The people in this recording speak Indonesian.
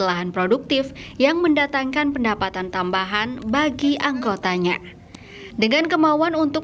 lahan produktif yang mendatangkan pendapatan tambahan bagi anggotanya dengan kemauan untuk